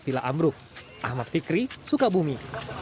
setelah amruf ahmad fikri sukabumi